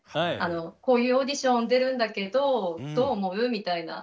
こういうオーディション出るんだけどどう思う？みたいな。